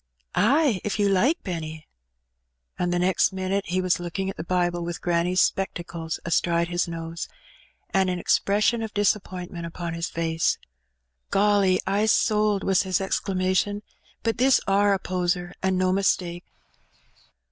Ay, if you like, Benny." And the next minute he was^ looking at the Bible with granny's spectacles astride his nose, and an expression of disappointment upon his face. "Golly! I's sold!" was his exclamation. "But this, are a poser, and no mistake."